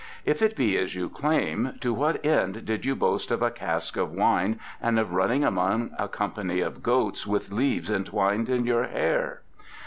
If it be as you claim, to what end did you boast of a cask of wine and of running among a company of goats with leaves entwined in your hair?"